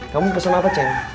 kamu pesan apa ceng